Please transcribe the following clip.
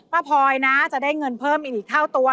พลอยนะจะได้เงินเพิ่มอีกเท่าตัว